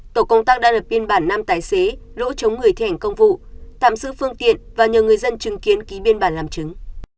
tổ công tác đã lập biên bản năm tài xế lỗ chống người thi hành công vụ tạm giữ phương tiện và nhờ người dân chứng kiến ký biên bản làm chứng